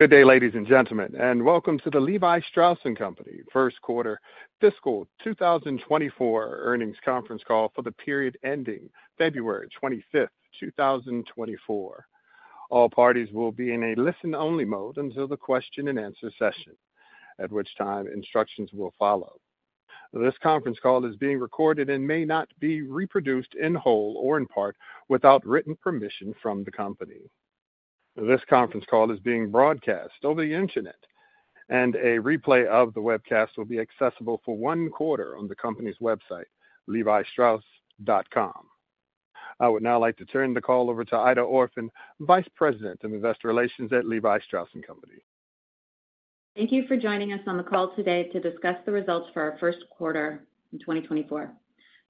Good day, ladies and gentlemen, and welcome to the Levi Strauss & Company first quarter fiscal 2024 earnings conference call for the period ending February 25, 2024. All parties will be in a listen-only mode until the question-and-answer session, at which time instructions will follow. This conference call is being recorded and may not be reproduced in whole or in part without written permission from the company. This conference call is being broadcast over the internet, and a replay of the webcast will be accessible for one quarter on the company's website, levistrauss.com. I would now like to turn the call over to Aida Orphan, Vice President of Investor Relations at Levi Strauss & Company. Thank you for joining us on the call today to discuss the results for our first quarter in 2024.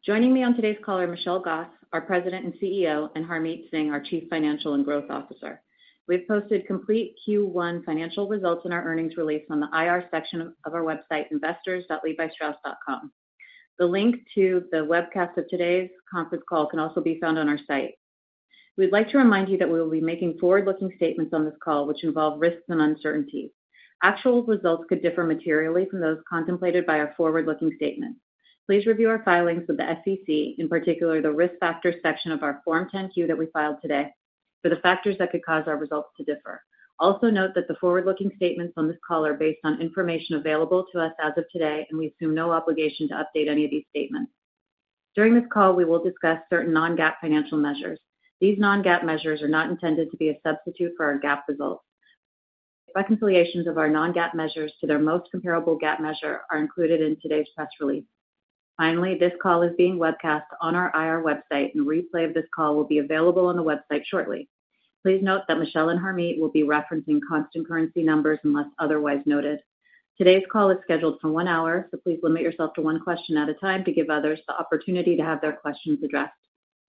Joining me on today's call are Michelle Gass, our President and CEO, and Harmit Singh, our Chief Financial and Growth Officer. We've posted complete Q1 financial results in our earnings release on the IR section of our website, investors.levistrauss.com. The link to the webcast of today's conference call can also be found on our site. We'd like to remind you that we will be making forward-looking statements on this call, which involve risks and uncertainties. Actual results could differ materially from those contemplated by our forward-looking statements. Please review our filings with the SEC, in particular, the Risk Factors section of our Form 10-Q that we filed today, for the factors that could cause our results to differ. Also, note that the forward-looking statements on this call are based on information available to us as of today, and we assume no obligation to update any of these statements. During this call, we will discuss certain non-GAAP financial measures. These non-GAAP measures are not intended to be a substitute for our GAAP results. Reconciliations of our non-GAAP measures to their most comparable GAAP measure are included in today's press release. Finally, this call is being webcast on our IR website, and a replay of this call will be available on the website shortly. Please note that Michelle and Harmit will be referencing constant currency numbers unless otherwise noted. Today's call is scheduled for one hour, so please limit yourself to one question at a time to give others the opportunity to have their questions addressed.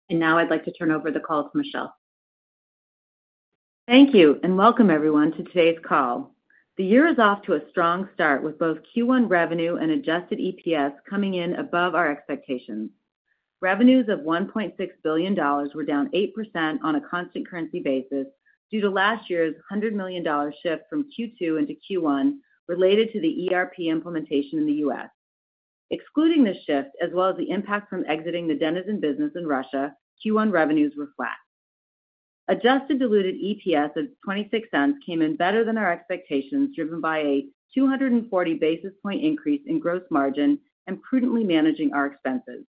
Now I'd like to turn over the call to Michelle. Thank you, and welcome, everyone, to today's call. The year is off to a strong start, with both Q1 revenue and adjusted EPS coming in above our expectations. Revenues of $1.6 billion were down 8% on a constant currency basis due to last year's $100 million shift from Q2 into Q1, related to the ERP implementation in the US. Excluding this shift, as well as the impact from exiting the Denizen business in Russia, Q1 revenues were flat. Adjusted diluted EPS of $0.26 came in better than our expectations, driven by a 240 basis point increase in gross margin and prudently managing our expenses.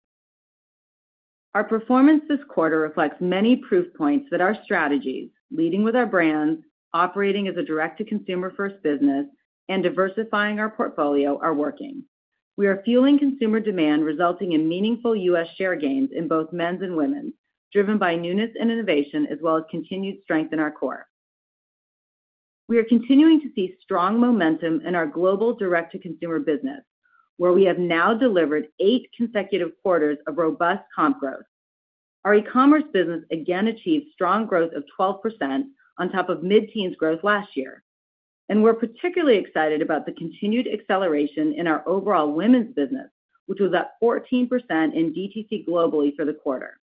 Our performance this quarter reflects many proof points that our strategies, leading with our brands, operating as a direct-to-consumer-first business, and diversifying our portfolio, are working. We are fueling consumer demand, resulting in meaningful U.S. share gains in both men's and women's, driven by newness and innovation, as well as continued strength in our core. We are continuing to see strong momentum in our global direct-to-consumer business, where we have now delivered eight consecutive quarters of robust comp growth. Our e-commerce business again achieved strong growth of 12% on top of mid-teens growth last year, and we're particularly excited about the continued acceleration in our overall women's business, which was up 14% in DTC globally for the quarter.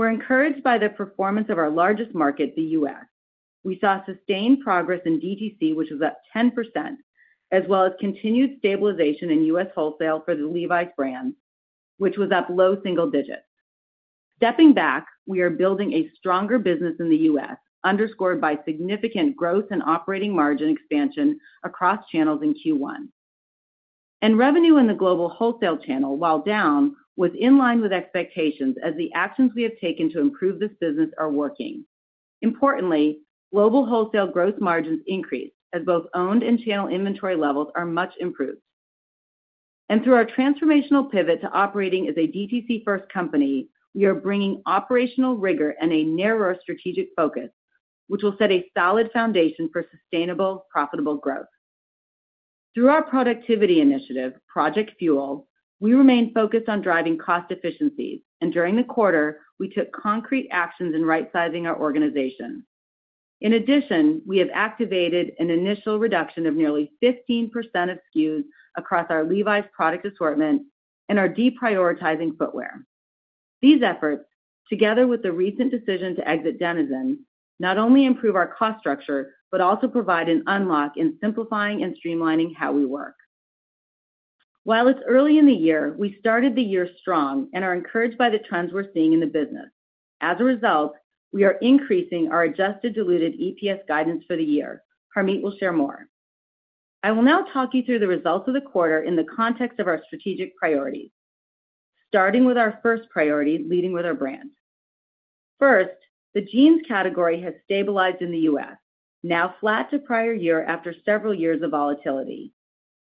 We're encouraged by the performance of our largest market, the U.S. We saw sustained progress in DTC, which was up 10%, as well as continued stabilization in U.S. wholesale for the Levi's brand, which was up low single digits. Stepping back, we are building a stronger business in the U.S., underscored by significant growth and operating margin expansion across channels in Q1. Revenue in the global wholesale channel, while down, was in line with expectations as the actions we have taken to improve this business are working. Importantly, global wholesale gross margins increased as both owned and channel inventory levels are much improved. Through our transformational pivot to operating as a DTC-first company, we are bringing operational rigor and a narrower strategic focus, which will set a solid foundation for sustainable, profitable growth. Through our productivity initiative, Project Fuel, we remain focused on driving cost efficiencies, and during the quarter, we took concrete actions in right-sizing our organization. In addition, we have activated an initial reduction of nearly 15% of SKUs across our Levi's product assortment and are deprioritizing footwear. These efforts, together with the recent decision to exit Denizen, not only improve our cost structure, but also provide an unlock in simplifying and streamlining how we work. While it's early in the year, we started the year strong and are encouraged by the trends we're seeing in the business. As a result, we are increasing our adjusted diluted EPS guidance for the year. Harmit will share more. I will now talk you through the results of the quarter in the context of our strategic priorities, starting with our first priority, leading with our brands. First, the jeans category has stabilized in the U.S., now flat to prior year after several years of volatility.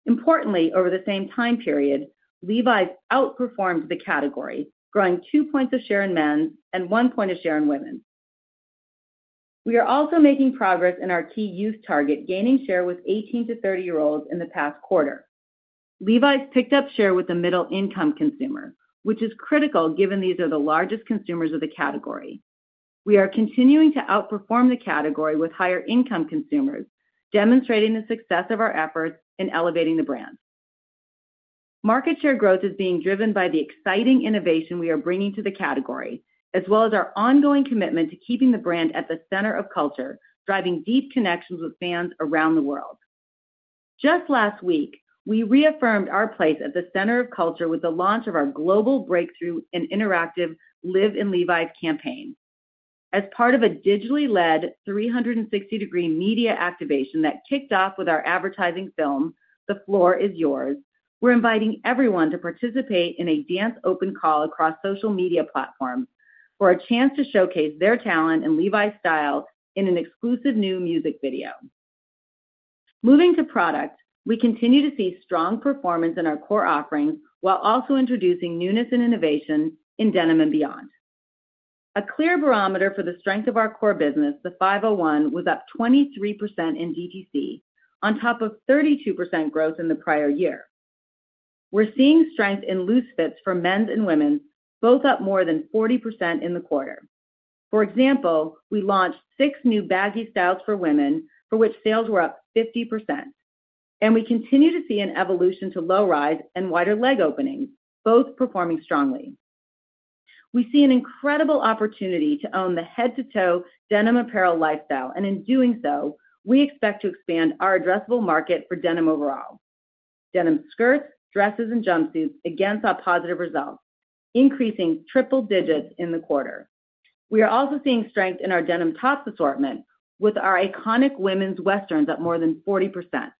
Importantly, over the same time period, Levi's outperformed the category, growing 2 points of share in men's and 1 point of share in women's. We are also making progress in our key youth target, gaining share with 18- to 30-year-olds in the past quarter. Levi's picked up share with the middle-income consumer, which is critical, given these are the largest consumers of the category. We are continuing to outperform the category with higher-income consumers, demonstrating the success of our efforts in elevating the brand. Market share growth is being driven by the exciting innovation we are bringing to the category, as well as our ongoing commitment to keeping the brand at the center of culture, driving deep connections with fans around the world. Just last week, we reaffirmed our place at the center of culture with the launch of our global breakthrough and interactive Live in Levi's campaign. As part of a digitally led 360-degree media activation that kicked off with our advertising film, The Floor Is Yours, we're inviting everyone to participate in a dance open call across social media platforms, for a chance to showcase their talent and Levi's style in an exclusive new music video. Moving to product, we continue to see strong performance in our core offerings, while also introducing newness and innovation in denim and beyond. A clear barometer for the strength of our core business, the 501, was up 23% in DTC, on top of 32% growth in the prior year. We're seeing strength in loose fits for men's and women's, both up more than 40% in the quarter. For example, we launched 6 new baggy styles for women, for which sales were up 50%, and we continue to see an evolution to low rise and wider leg openings, both performing strongly. We see an incredible opportunity to own the head-to-toe denim apparel lifestyle, and in doing so, we expect to expand our addressable market for denim overall. Denim skirts, dresses, and jumpsuits again saw positive results, increasing triple digits in the quarter. We are also seeing strength in our denim tops assortment, with our iconic women's Western up more than 40%.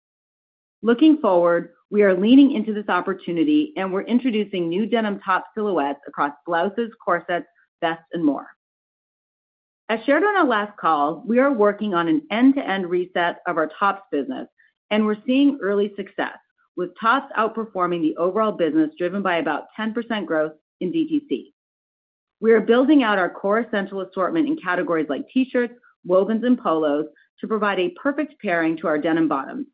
Looking forward, we are leaning into this opportunity, and we're introducing new denim top silhouettes across blouses, corsets, vests, and more. As shared on our last call, we are working on an end-to-end reset of our tops business, and we're seeing early success, with tops outperforming the overall business, driven by about 10% growth in DTC. We are building out our core essential assortment in categories like T-shirts, wovens, and polos to provide a perfect pairing to our denim bottoms.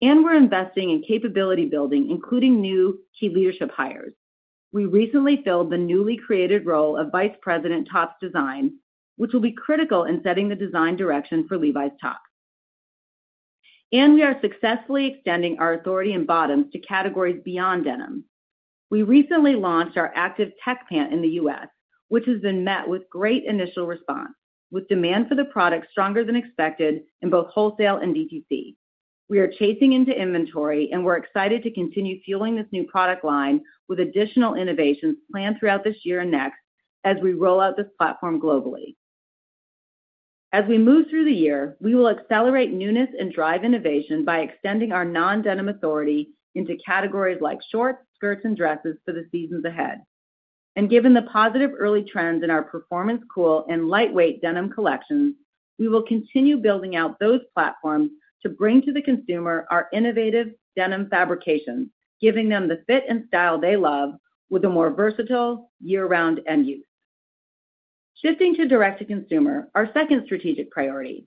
We're investing in capability building, including new key leadership hires. We recently filled the newly created role of Vice President, Tops Design, which will be critical in setting the design direction for Levi's tops. We are successfully extending our authority in bottoms to categories beyond denim. We recently launched our Active Tech pant in the U.S., which has been met with great initial response, with demand for the product stronger than expected in both wholesale and DTC. We are chasing into inventory, and we're excited to continue fueling this new product line with additional innovations planned throughout this year and next, as we roll out this platform globally. As we move through the year, we will accelerate newness and drive innovation by extending our non-denim authority into categories like shorts, skirts, and dresses for the seasons ahead. Given the positive early trends in our Performance Cool and lightweight denim collections, we will continue building out those platforms to bring to the consumer our innovative denim fabrications, giving them the fit and style they love, with a more versatile year-round end use. Shifting to direct-to-consumer, our second strategic priority.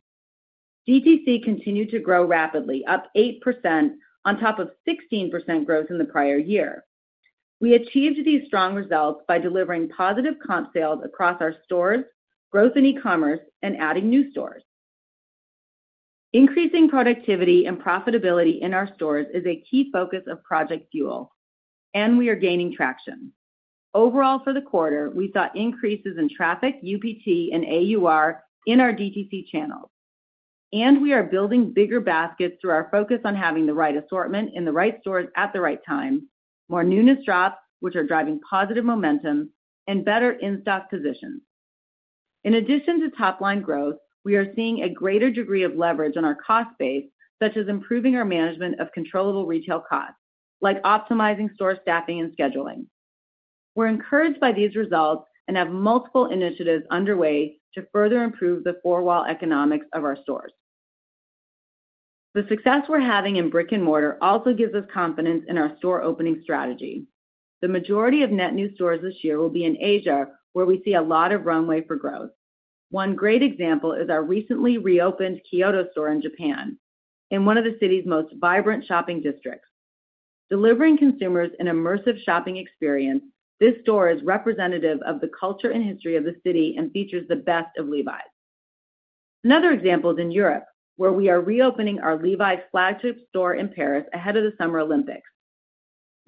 DTC continued to grow rapidly, up 8% on top of 16% growth in the prior year. We achieved these strong results by delivering positive comp sales across our stores, growth in e-commerce, and adding new stores. Increasing productivity and profitability in our stores is a key focus of Project Fuel, and we are gaining traction. Overall, for the quarter, we saw increases in traffic, UPT, and AUR in our DTC channels, and we are building bigger baskets through our focus on having the right assortment in the right stores at the right time, more newness drops, which are driving positive momentum, and better in-stock positions. In addition to top-line growth, we are seeing a greater degree of leverage on our cost base, such as improving our management of controllable retail costs, like optimizing store staffing and scheduling. We're encouraged by these results and have multiple initiatives underway to further improve the four-wall economics of our stores. The success we're having in brick-and-mortar also gives us confidence in our store opening strategy. The majority of net new stores this year will be in Asia, where we see a lot of runway for growth. One great example is our recently reopened Kyoto store in Japan, in one of the city's most vibrant shopping districts. Delivering consumers an immersive shopping experience, this store is representative of the culture and history of the city and features the best of Levi's. Another example is in Europe, where we are reopening our Levi's flagship store in Paris ahead of the Summer Olympics.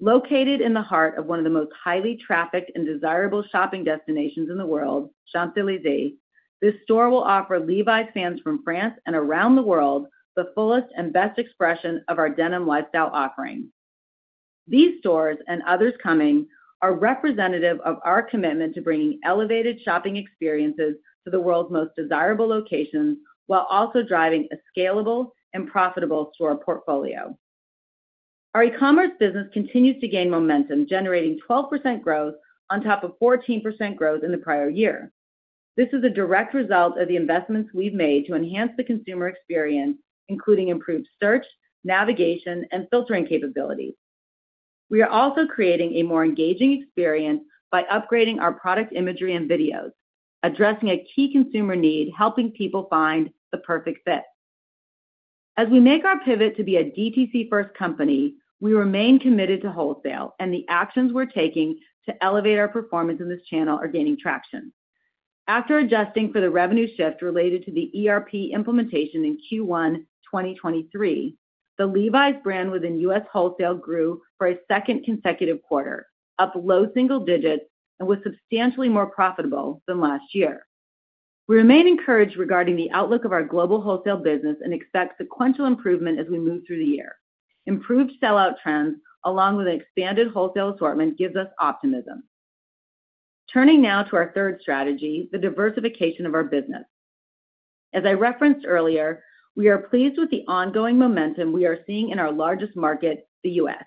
Located in the heart of one of the most highly trafficked and desirable shopping destinations in the world, Champs-Élysées, this store will offer Levi's fans from France and around the world the fullest and best expression of our denim lifestyle offering. These stores, and others coming, are representative of our commitment to bringing elevated shopping experiences to the world's most desirable locations, while also driving a scalable and profitable store portfolio. Our e-commerce business continues to gain momentum, generating 12% growth on top of 14% growth in the prior year. This is a direct result of the investments we've made to enhance the consumer experience, including improved search, navigation, and filtering capabilities. We are also creating a more engaging experience by upgrading our product imagery and videos, addressing a key consumer need, helping people find the perfect fit. As we make our pivot to be a DTC-first company, we remain committed to wholesale, and the actions we're taking to elevate our performance in this channel are gaining traction.... After adjusting for the revenue shift related to the ERP implementation in Q1 2023, the Levi's brand within U.S. wholesale grew for a second consecutive quarter, up low single digits, and was substantially more profitable than last year. We remain encouraged regarding the outlook of our global wholesale business and expect sequential improvement as we move through the year. Improved sell-out trends, along with an expanded wholesale assortment, gives us optimism. Turning now to our third strategy, the diversification of our business. As I referenced earlier, we are pleased with the ongoing momentum we are seeing in our largest market, the U.S.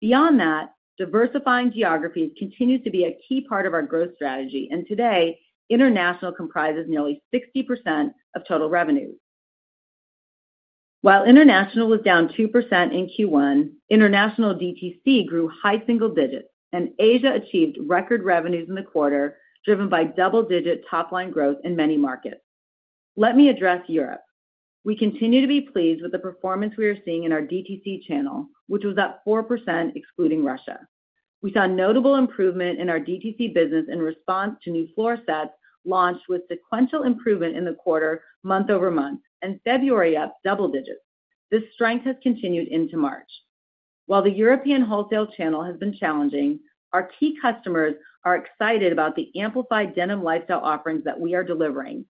Beyond that, diversifying geographies continues to be a key part of our growth strategy, and today, international comprises nearly 60% of total revenues. While international was down 2% in Q1, international DTC grew high single digits, and Asia achieved record revenues in the quarter, driven by double-digit top-line growth in many markets. Let me address Europe. We continue to be pleased with the performance we are seeing in our DTC channel, which was up 4%, excluding Russia. We saw notable improvement in our DTC business in response to new floor sets launched, with sequential improvement in the quarter, month-over-month, and February up double digits. This strength has continued into March. While the European wholesale channel has been challenging, our key customers are excited about the amplified denim lifestyle offerings that we are delivering,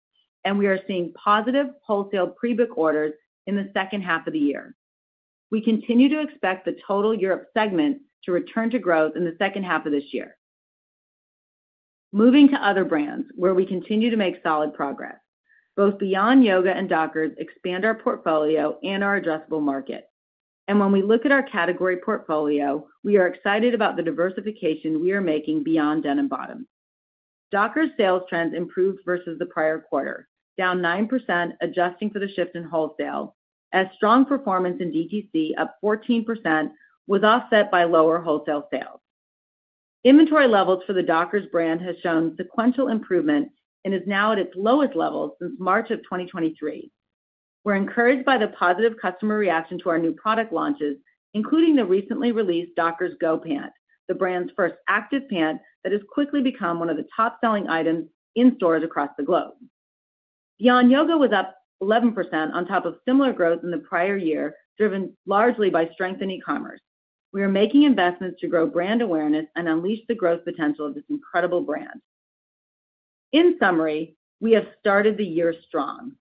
and we are seeing positive wholesale pre-book orders in the second half of the year. We continue to expect the total Europe segment to return to growth in the second half of this year. Moving to other brands, where we continue to make solid progress. Both Beyond Yoga and Dockers expand our portfolio and our addressable market. And when we look at our category portfolio, we are excited about the diversification we are making beyond denim bottoms. Dockers sales trends improved versus the prior quarter, down 9%, adjusting for the shift in wholesale, as strong performance in DTC, up 14%, was offset by lower wholesale sales. Inventory levels for the Dockers brand has shown sequential improvement and is now at its lowest level since March of 2023. We're encouraged by the positive customer reaction to our new product launches, including the recently released Dockers Go pant, the brand's first active pant that has quickly become one of the top-selling items in stores across the globe. Beyond Yoga was up 11% on top of similar growth in the prior year, driven largely by strength in e-commerce. We are making investments to grow brand awareness and unleash the growth potential of this incredible brand. In summary, we have started the year strong.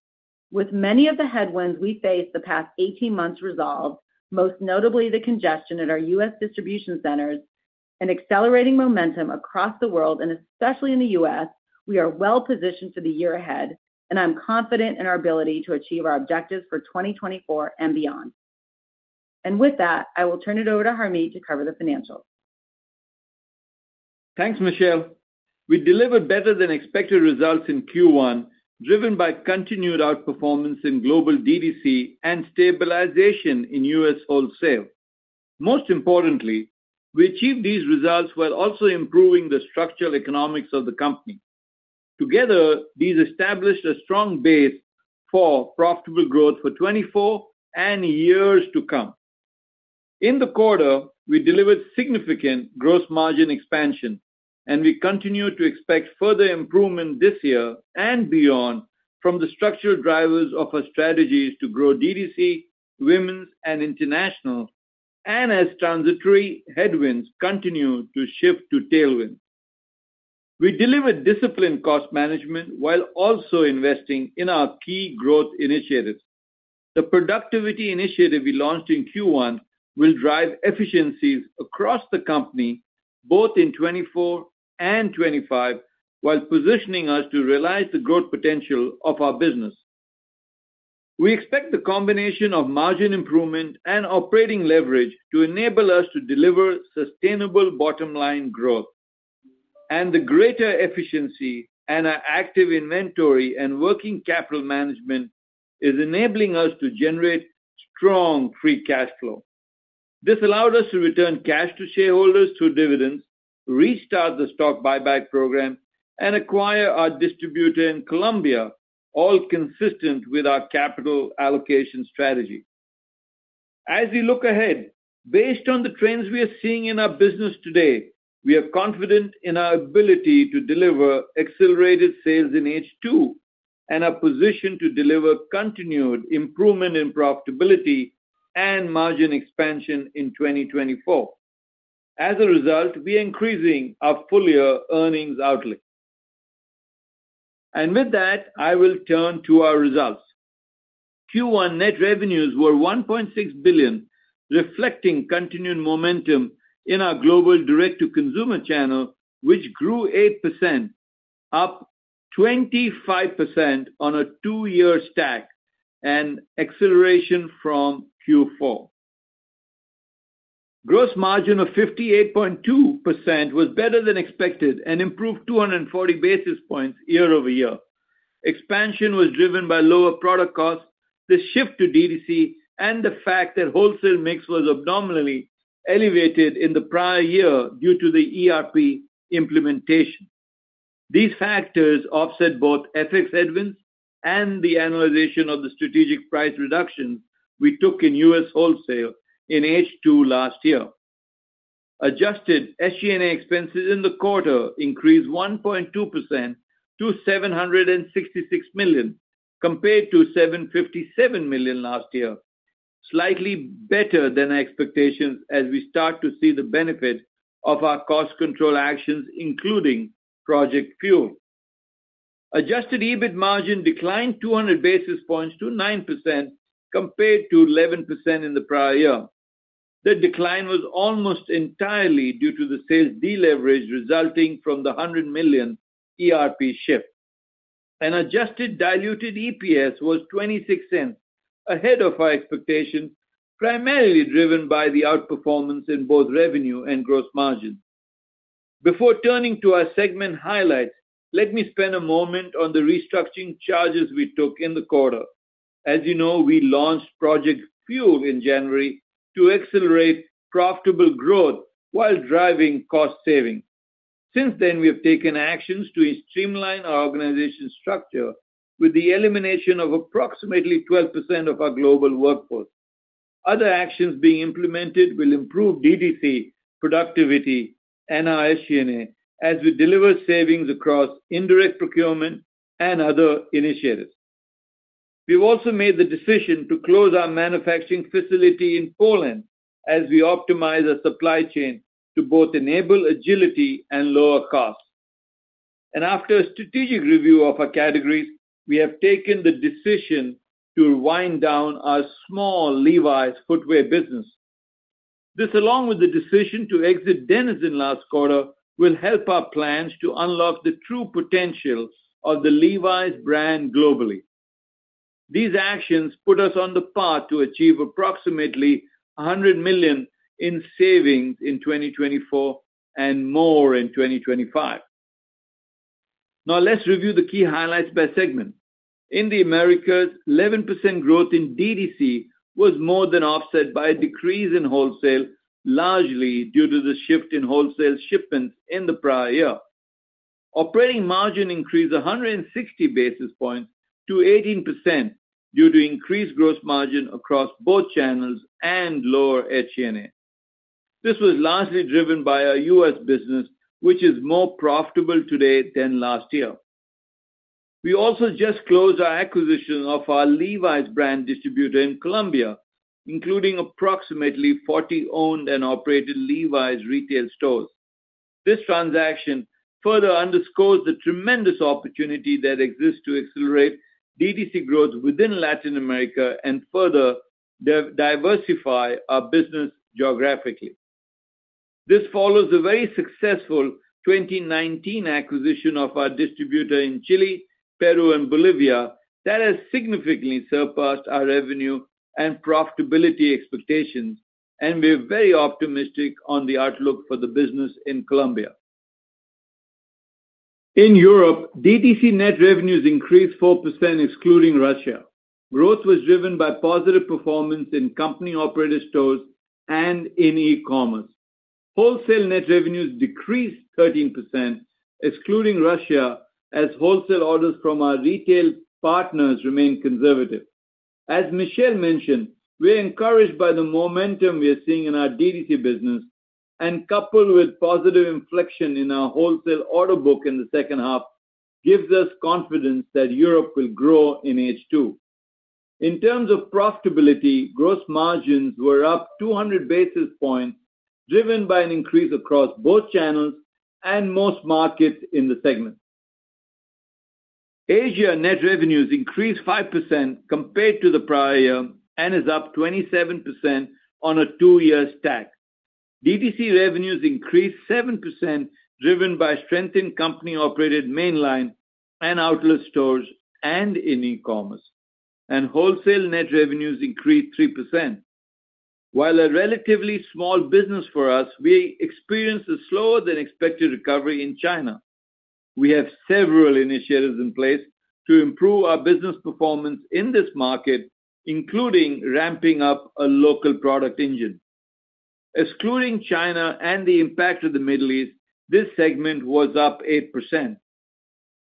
With many of the headwinds we faced the past 18 months resolved, most notably the congestion at our U.S. distribution centers and accelerating momentum across the world, and especially in the U.S., we are well positioned for the year ahead, and I'm confident in our ability to achieve our objectives for 2024 and beyond. With that, I will turn it over to Harmit to cover the financials. Thanks, Michelle. We delivered better-than-expected results in Q1, driven by continued outperformance in global DTC and stabilization in U.S. wholesale. Most importantly, we achieved these results while also improving the structural economics of the company. Together, these established a strong base for profitable growth for 2024 and years to come. In the quarter, we delivered significant gross margin expansion, and we continue to expect further improvement this year and beyond from the structural drivers of our strategies to grow DTC, women's and international, and as transitory headwinds continue to shift to tailwinds. We delivered disciplined cost management while also investing in our key growth initiatives. The productivity initiative we launched in Q1 will drive efficiencies across the company, both in 2024 and 2025, while positioning us to realize the growth potential of our business. We expect the combination of margin improvement and operating leverage to enable us to deliver sustainable bottom-line growth. The greater efficiency and our active inventory and working capital management is enabling us to generate strong free cash flow. This allowed us to return cash to shareholders through dividends, restart the stock buyback program, and acquire our distributor in Colombia, all consistent with our capital allocation strategy. As we look ahead, based on the trends we are seeing in our business today, we are confident in our ability to deliver accelerated sales in H2 and are positioned to deliver continued improvement in profitability and margin expansion in 2024. As a result, we are increasing our full-year earnings outlook. With that, I will turn to our results. Q1 net revenues were $1.6 billion, reflecting continued momentum in our global direct-to-consumer channel, which grew 8%, up 25% on a two-year stack, and acceleration from Q4. Gross margin of 58.2% was better than expected and improved 240 basis points year-over-year. Expansion was driven by lower product costs, the shift to DTC, and the fact that wholesale mix was abnormally elevated in the prior year due to the ERP implementation. These factors offset both FX headwinds and the annualization of the strategic price reductions we took in US wholesale in H2 last year. Adjusted SG&A expenses in the quarter increased 1.2% to $766 million, compared to $757 million last year. Slightly better than expectations as we start to see the benefit of our cost control actions, including Project Fuel. Adjusted EBIT margin declined 200 basis points to 9% compared to 11% in the prior year. The decline was almost entirely due to the sales deleverage resulting from the $100 million ERP shift. Adjusted diluted EPS was $0.26, ahead of our expectations, primarily driven by the outperformance in both revenue and gross margin. Before turning to our segment highlights, let me spend a moment on the restructuring charges we took in the quarter. As you know, we launched Project Fuel in January to accelerate profitable growth while driving cost savings. Since then, we have taken actions to streamline our organizational structure with the elimination of approximately 12% of our global workforce. Other actions being implemented will improve DTC productivity and our SG&A as we deliver savings across indirect procurement and other initiatives. We've also made the decision to close our manufacturing facility in Poland as we optimize our supply chain to both enable agility and lower costs. After a strategic review of our categories, we have taken the decision to wind down our small Levi's footwear business. This, along with the decision to exit Denizen in last quarter, will help our plans to unlock the true potential of the Levi's brand globally. These actions put us on the path to achieve approximately $100 million in savings in 2024 and more in 2025. Now, let's review the key highlights by segment. In the Americas, 11% growth in DTC was more than offset by a decrease in wholesale, largely due to the shift in wholesale shipments in the prior year. Operating margin increased 160 basis points to 18% due to increased gross margin across both channels and lower SG&A. This was largely driven by our US business, which is more profitable today than last year. We also just closed our acquisition of our Levi's brand distributor in Colombia, including approximately 40 owned and operated Levi's retail stores. This transaction further underscores the tremendous opportunity that exists to accelerate DTC growth within Latin America and further diversify our business geographically. This follows a very successful 2019 acquisition of our distributor in Chile, Peru, and Bolivia that has significantly surpassed our revenue and profitability expectations, and we're very optimistic on the outlook for the business in Colombia. In Europe, DTC net revenues increased 4%, excluding Russia. Growth was driven by positive performance in company-operated stores and in e-commerce. Wholesale net revenues decreased 13%, excluding Russia, as wholesale orders from our retail partners remain conservative. As Michelle mentioned, we're encouraged by the momentum we are seeing in our DTC business, and coupled with positive inflection in our wholesale order book in the second half, gives us confidence that Europe will grow in H2. In terms of profitability, gross margins were up 200 basis points, driven by an increase across both channels and most markets in the segment. Asia net revenues increased 5% compared to the prior year and is up 27% on a two-year stack. DTC revenues increased 7%, driven by strength in company-operated mainline and outlet stores and in e-commerce, and wholesale net revenues increased 3%. While a relatively small business for us, we experienced a slower-than-expected recovery in China. We have several initiatives in place to improve our business performance in this market, including ramping up a local product engine. Excluding China and the impact of the Middle East, this segment was up 8%.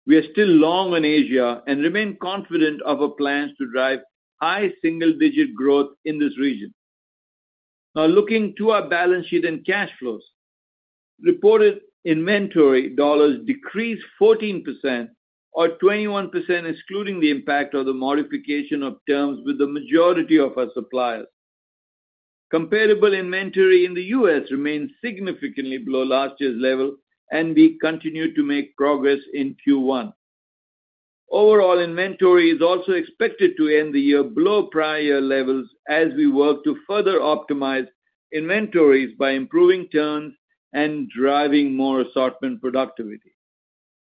We are still long on Asia and remain confident of our plans to drive high single-digit growth in this region. Now looking to our balance sheet and cash flows. Reported inventory dollars decreased 14% or 21%, excluding the impact of the modification of terms with the majority of our suppliers. Comparable inventory in the U.S. remains significantly below last year's level, and we continue to make progress in Q1. Overall, inventory is also expected to end the year below prior levels as we work to further optimize inventories by improving turns and driving more assortment productivity.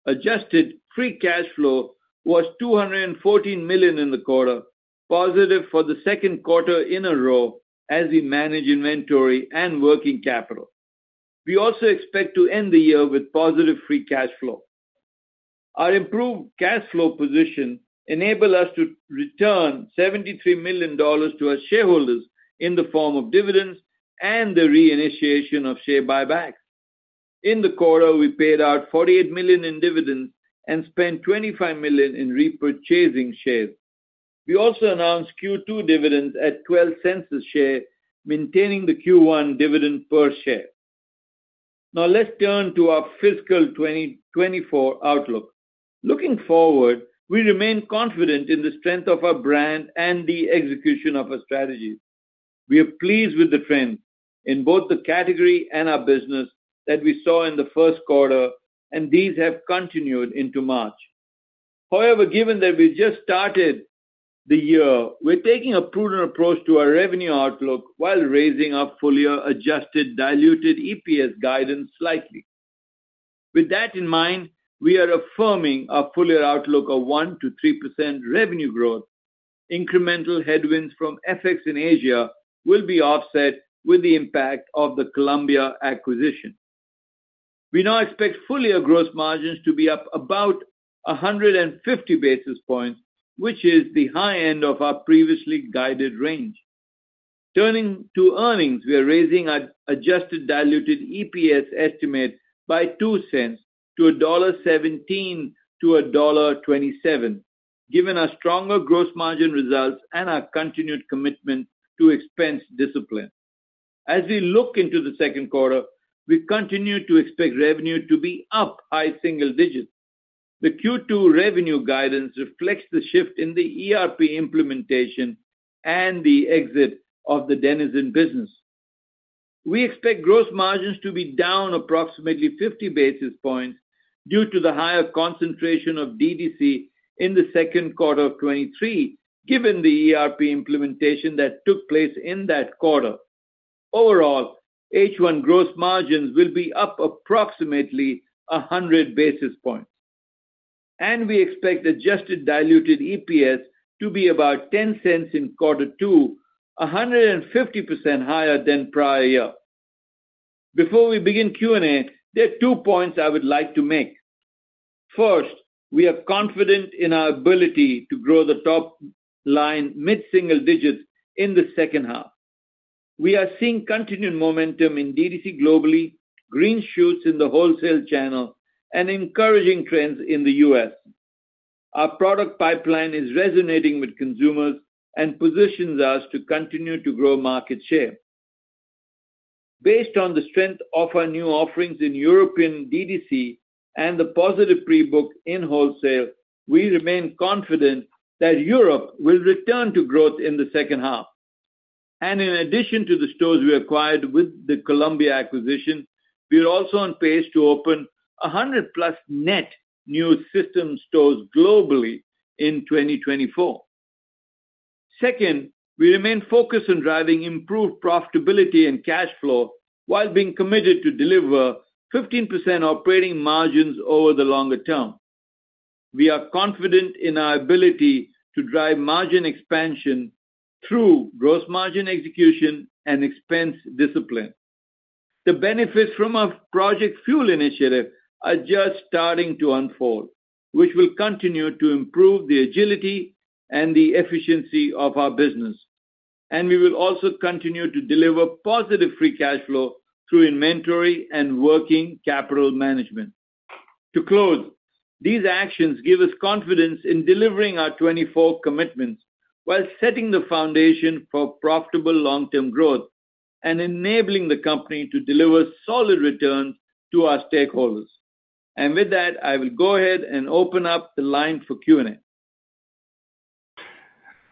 Adjusted free cash flow was $214 million in the quarter, positive for the second quarter in a row as we manage inventory and working capital. We also expect to end the year with positive free cash flow. Our improved cash flow position enable us to return $73 million to our shareholders in the form of dividends and the reinitiation of share buybacks. In the quarter, we paid out $48 million in dividends and spent $25 million in repurchasing shares. We also announced Q2 dividends at $0.12 a share, maintaining the Q1 dividend per share. Now let's turn to our fiscal 2024 outlook. Looking forward, we remain confident in the strength of our brand and the execution of our strategy. We are pleased with the trend in both the category and our business that we saw in the first quarter, and these have continued into March. However, given that we just started the year, we're taking a prudent approach to our revenue outlook while raising our full year adjusted diluted EPS guidance slightly. With that in mind, we are affirming our full year outlook of 1%-3% revenue growth. Incremental headwinds from FX in Asia will be offset with the impact of the Colombia acquisition. We now expect full year gross margins to be up about 150 basis points, which is the high end of our previously guided range. Turning to earnings, we are raising our adjusted diluted EPS estimate by $0.02 to $1.17-$1.27, given our stronger gross margin results and our continued commitment to expense discipline. As we look into the second quarter, we continue to expect revenue to be up high single digits. The Q2 revenue guidance reflects the shift in the ERP implementation and the exit of the Denizen business. We expect gross margins to be down approximately 50 basis points due to the higher concentration of DTC in the second quarter of 2023, given the ERP implementation that took place in that quarter. Overall, H1 gross margins will be up approximately 100 basis points, and we expect adjusted diluted EPS to be about $0.10 in quarter two, 150% higher than prior year. Before we begin Q&A, there are two points I would like to make. First, we are confident in our ability to grow the top line mid-single digits in the second half. We are seeing continued momentum in DTC globally, green shoots in the wholesale channel, and encouraging trends in the US. Our product pipeline is resonating with consumers and positions us to continue to grow market share. Based on the strength of our new offerings in European DTC and the positive pre-book in wholesale, we remain confident that Europe will return to growth in the second half. And in addition to the stores we acquired with the Colombia acquisition, we are also on pace to open 100+ net new system stores globally in 2024. Second, we remain focused on driving improved profitability and cash flow while being committed to deliver 15% operating margins over the longer term. We are confident in our ability to drive margin expansion through gross margin execution and expense discipline. The benefits from our Project Fuel initiative are just starting to unfold, which will continue to improve the agility and the efficiency of our business. We will also continue to deliver positive free cash flow through inventory and working capital management. To close, these actions give us confidence in delivering our 2024 commitments while setting the foundation for profitable long-term growth and enabling the company to deliver solid returns to our stakeholders. And with that, I will go ahead and open up the line for Q&A.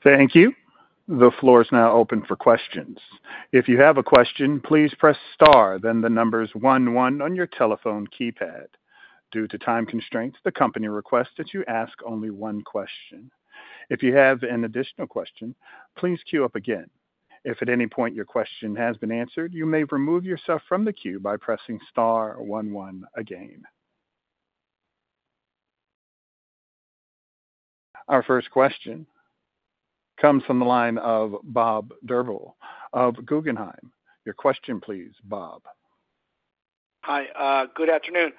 Thank you. The floor is now open for questions. If you have a question, please press star, then the numbers one, one on your telephone keypad. Due to time constraints, the company requests that you ask only one question. If you have an additional question, please queue up again. If at any point your question has been answered, you may remove yourself from the queue by pressing star one, one again. Our first question comes from the line of Bob Drbul of Guggenheim. Your question please, Bob. Hi, good afternoon.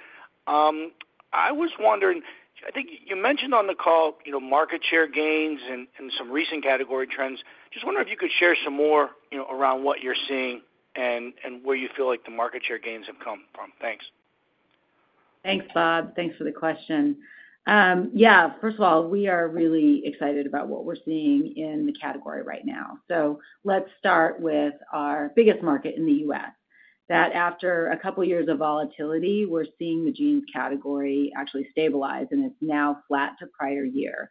I was wondering, I think you mentioned on the call, you know, market share gains and, and some recent category trends. Just wondering if you could share some more, you know, around what you're seeing and, and where you feel like the market share gains have come from. Thanks. Thanks, Bob. Thanks for the question. Yeah, first of all, we are really excited about what we're seeing in the category right now. So let's start with our biggest market in the U.S., that after a couple of years of volatility, we're seeing the jeans category actually stabilize, and it's now flat to prior year.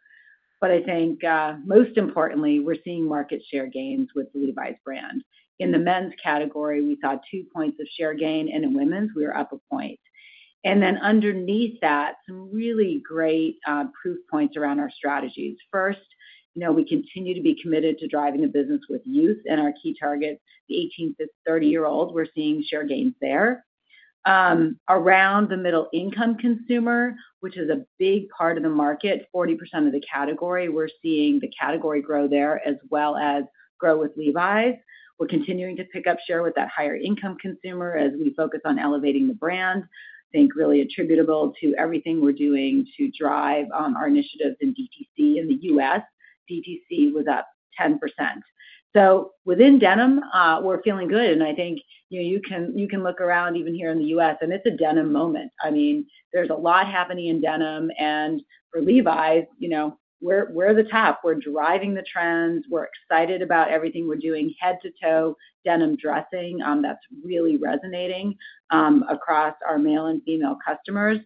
But I think, most importantly, we're seeing market share gains with the Levi's brand. In the men's category, we saw two points of share gain, and in women's, we are up a point. And then underneath that, some really great proof points around our strategies. First, you know, we continue to be committed to driving the business with youth and our key targets, the 18- to 30-year-olds, we're seeing share gains there. Around the middle income consumer, which is a big part of the market, 40% of the category, we're seeing the category grow there, as well as grow with Levi's. We're continuing to pick up share with that higher income consumer as we focus on elevating the brand.... I think really attributable to everything we're doing to drive our initiatives in DTC in the U.S. DTC was up 10%. So within denim, we're feeling good, and I think, you know, you can, you can look around even here in the U.S., and it's a denim moment. I mean, there's a lot happening in denim, and for Levi's, you know, we're, we're the top. We're driving the trends. We're excited about everything we're doing, head-to-toe denim dressing, that's really resonating across our male and female customers.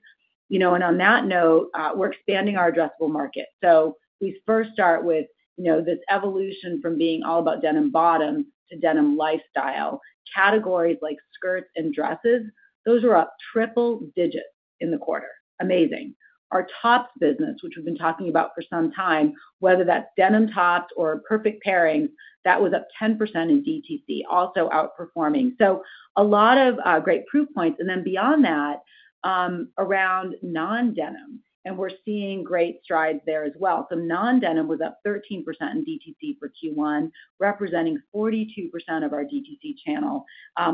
You know, and on that note, we're expanding our addressable market. So we first start with, you know, this evolution from being all about denim bottom to denim lifestyle. Categories like skirts and dresses, those are up triple digits in the quarter. Amazing! Our tops business, which we've been talking about for some time, whether that's denim tops or perfect pairing, that was up 10% in DTC, also outperforming. So a lot of great proof points. And then beyond that, around non-denim, and we're seeing great strides there as well. So non-denim was up 13% in DTC for Q1, representing 42% of our DTC channel.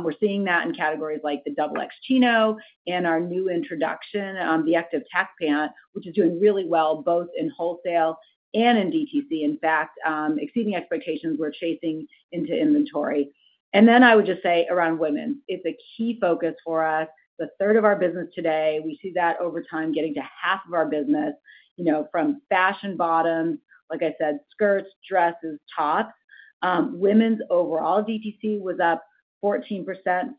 We're seeing that in categories like the XX Chino and our new introduction, the Active Tech pant, which is doing really well, both in wholesale and in DTC. In fact, exceeding expectations we're chasing into inventory. And then I would just say around women, it's a key focus for us, the third of our business today. We see that over time, getting to half of our business, you know, from fashion bottoms, like I said, skirts, dresses, tops. Women's overall DTC was up 14%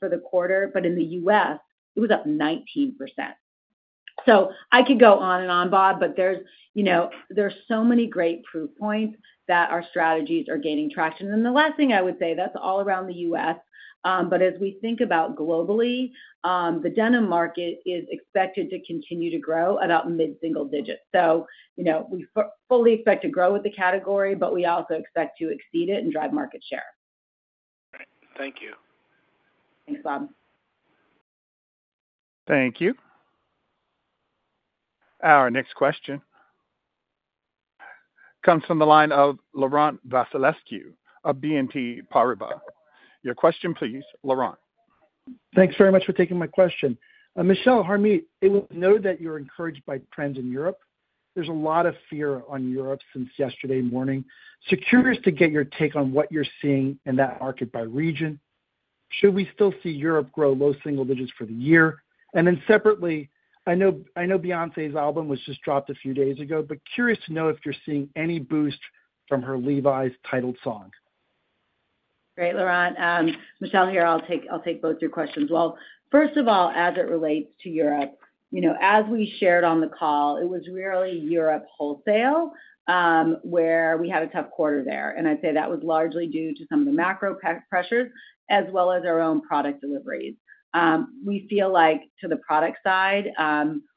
for the quarter, but in the U.S, it was up 19%. So I could go on and on, Bob, but there's, you know, there are so many great proof points that our strategies are gaining traction. And the last thing I would say, that's all around the U.S, but as we think about globally, the denim market is expected to continue to grow about mid-single digits. So, you know, we fully expect to grow with the category, but we also expect to exceed it and drive market share. Thank you. Thanks, Bob. Thank you. Our next question comes from the line of Laurent Vasilescu of BNP Paribas. Your question, please, Laurent. Thanks very much for taking my question. Michelle, Harmit, I know that you're encouraged by trends in Europe. There's a lot of fear in Europe since yesterday morning. Curious to get your take on what you're seeing in that market by region. Should we still see Europe grow low single digits for the year? And then separately, I know, I know Beyoncé's album was just dropped a few days ago, but curious to know if you're seeing any boost from her Levi's titled song. Great, Laurent. Michelle, here. I'll take, I'll take both your questions. Well, first of all, as it relates to Europe, you know, as we shared on the call, it was really Europe wholesale, where we had a tough quarter there. And I'd say that was largely due to some of the macro pressures, as well as our own product deliveries. We feel like to the product side,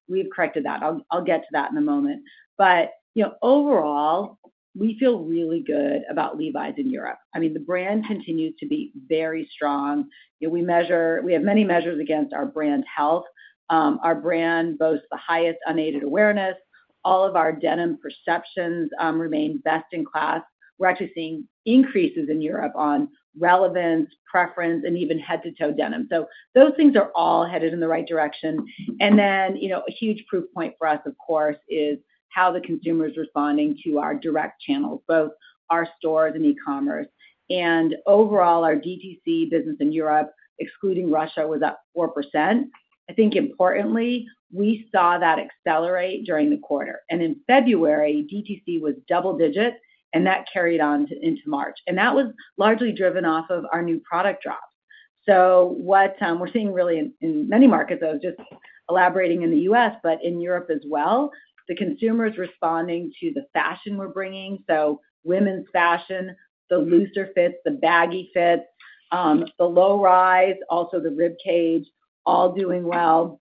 we've corrected that. I'll, I'll get to that in a moment. But, you know, overall, we feel really good about Levi's in Europe. I mean, the brand continues to be very strong. You know, we measure, we have many measures against our brand health. Our brand boasts the highest unaided awareness. All of our denim perceptions, remain best in class. We're actually seeing increases in Europe on relevance, preference, and even head-to-toe denim. So those things are all headed in the right direction. And then, you know, a huge proof point for us, of course, is how the consumer is responding to our direct channels, both our stores and e-commerce. And overall, our DTC business in Europe, excluding Russia, was up 4%. I think importantly, we saw that accelerate during the quarter. And in February, DTC was double-digit, and that carried on into March, and that was largely driven off of our new product drop. So what we're seeing really in, in many markets, though, just elaborating in the U.S., but in Europe as well, the consumer is responding to the fashion we're bringing. So women's fashion, the looser fits, the baggy fits, the low rise, also the rib cage, all doing well.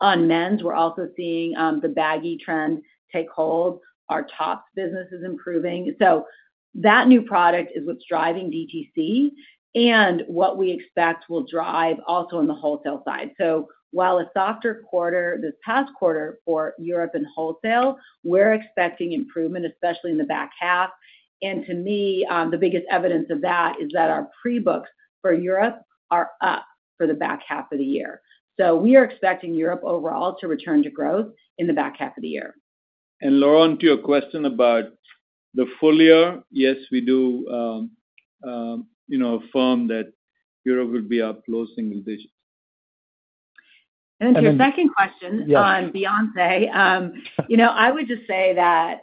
On men's, we're also seeing the baggy trend take hold. Our tops business is improving. So that new product is what's driving DTC and what we expect will drive also on the wholesale side. So while a softer quarter, this past quarter for Europe and wholesale, we're expecting improvement, especially in the back half. And to me, the biggest evidence of that is that our pre-books for Europe are up for the back half of the year. So we are expecting Europe overall to return to growth in the back half of the year. Laurent, to your question about the full year, yes, we do, you know, affirm that Europe will be up close single digits. To your second question- Yeah. On Beyoncé, you know, I would just say that,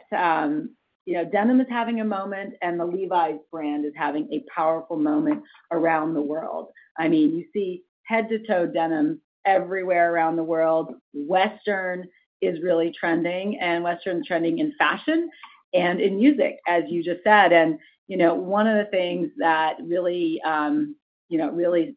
you know, denim is having a moment, and the Levi's brand is having a powerful moment around the world. I mean, you see head-to-toe denim everywhere around the world. Western is really trending, and Western is trending in fashion and in music, as you just said. And, you know, one of the things that really, you know, really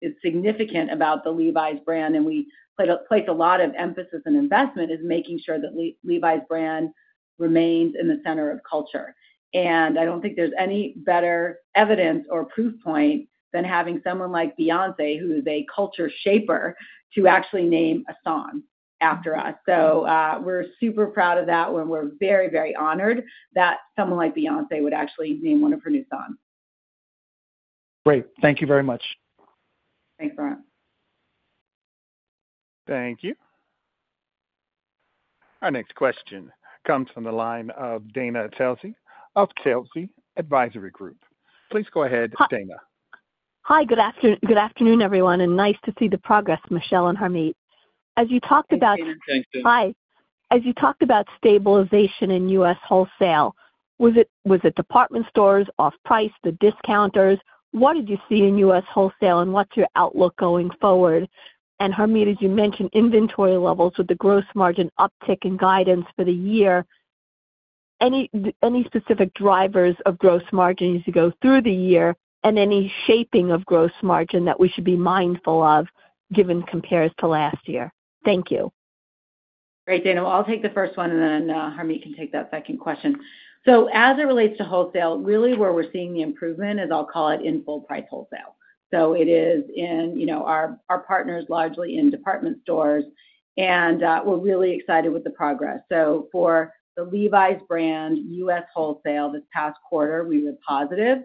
is significant about the Levi's brand, and we place a lot of emphasis on investment, is making sure that Levi's brand remains in the center of culture. And I don't think there's any better evidence or proof point than having someone like Beyoncé, who is a culture shaper, to actually name a song after us. So, we're super proud of that, and we're very, very honored that someone like Beyoncé would actually name one of her new songs.... Great. Thank you very much. Thanks, Laurent. Thank you. Our next question comes from the line of Dana Telsey of Telsey Advisory Group. Please go ahead, Dana. Hi. Good afternoon, everyone, and nice to see the progress, Michelle and Harmit. As you talked about- Thanks, Dana. Thanks, Dana. Hi. As you talked about stabilization in U.S. wholesale, was it, was it department stores, off price, the discounters? What did you see in U.S. wholesale, and what's your outlook going forward? And Harmit, as you mentioned, inventory levels with the gross margin uptick in guidance for the year, any, any specific drivers of gross margin as you go through the year and any shaping of gross margin that we should be mindful of given compares to last year? Thank you. Great, Dana. Well, I'll take the first one, and then Harmit can take that second question. So as it relates to wholesale, really where we're seeing the improvement is, I'll call it, in full price wholesale. So it is in, you know, our partners largely in department stores, and we're really excited with the progress. So for the Levi's brand US wholesale this past quarter, we were positive.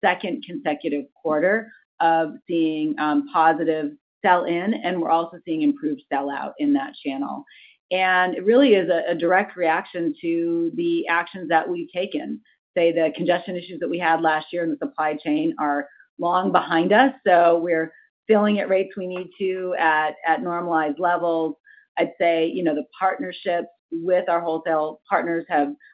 Second consecutive quarter of seeing positive sell-in, and we're also seeing improved sell-out in that channel. And it really is a direct reaction to the actions that we've taken. So, the congestion issues that we had last year in the supply chain are long behind us, so we're filling at rates we need to at normalized levels. I'd say, you know, the partnerships with our wholesale partners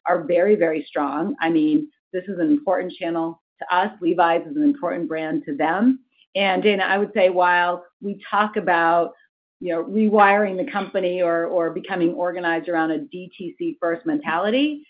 are very, very strong. I mean, this is an important channel to us. Levi's is an important brand to them. And Dana, I would say while we talk about, you know, rewiring the company or, or becoming organized around a DTC first mentality,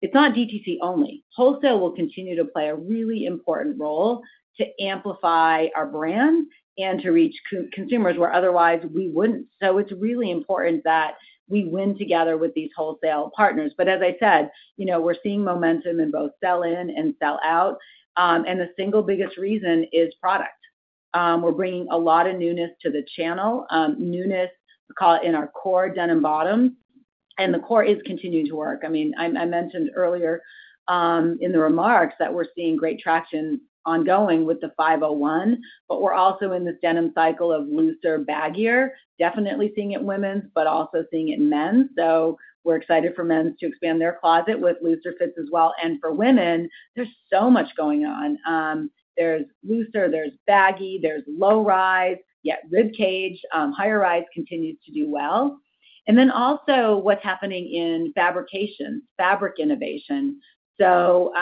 it's not DTC only. Wholesale will continue to play a really important role to amplify our brand and to reach co-consumers where otherwise we wouldn't. So it's really important that we win together with these wholesale partners. But as I said, you know, we're seeing momentum in both sell-in and sell-out, and the single biggest reason is product. We're bringing a lot of newness to the channel, newness, we call it, in our core denim bottom, and the core is continuing to work. I mean, I mentioned earlier in the remarks that we're seeing great traction ongoing with the 501, but we're also in this denim cycle of looser, baggier, definitely seeing it in women's, but also seeing it in men's. So we're excited for men's to expand their closet with looser fits as well. And for women, there's so much going on. There's looser, there's baggy, there's low-rise, yet Ribcage, higher rise continues to do well. And then also what's happening in fabrication, fabric innovation. So,